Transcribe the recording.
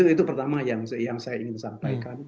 itu pertama yang saya ingin sampaikan